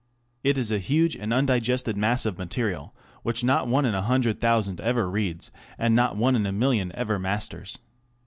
It is a huge and undigested mass of material, which not one in a hundred thousand ever reads, and not one in a million ever masters.